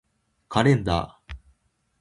カレンダー